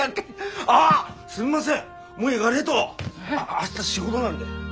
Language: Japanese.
明日仕事なんで。